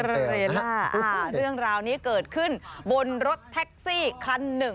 เรื่องราวนี้เกิดขึ้นบนรถแท็กซี่คันหนึ่ง